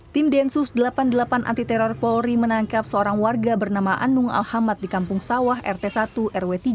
tim densus delapan puluh delapan anti teror polri menangkap seorang warga bernama anung alhamad di kampung sawah rt satu rw tiga